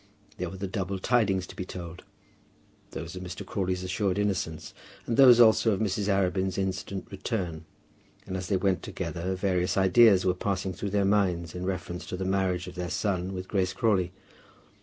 There were the double tidings to be told, those of Mr. Crawley's assured innocence, and those also of Mrs. Arabin's instant return. And as they went together various ideas were passing through their minds in reference to the marriage of their son with Grace Crawley.